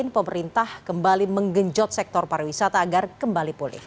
pemerintah kembali menggenjot sektor pariwisata agar kembali pulih